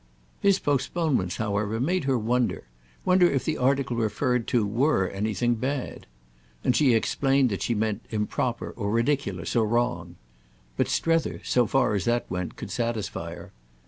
His postponements, however, made her wonder—wonder if the article referred to were anything bad. And she explained that she meant improper or ridiculous or wrong. But Strether, so far as that went, could satisfy her.